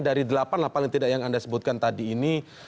dari delapan lah paling tidak yang anda sebutkan tadi ini